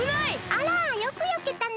あらよくよけたね。